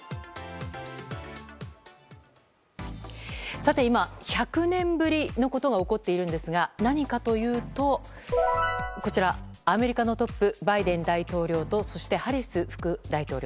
さて、今１００年ぶりのことが起こっているんですが何かというとアメリカのトップバイデン大統領とハリス副大統領。